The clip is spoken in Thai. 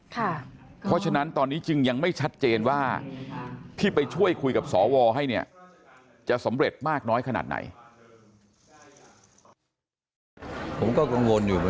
เพราะฉะนั้นตอนนี้จึงยังไม่ชัดเจนว่าที่ไปช่วยคุยกับสวให้เนี่ยจะสำเร็จมากน้อยขนาดไหน